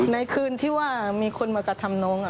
ในคืนที่ว่ามีคนมากระทำน้อง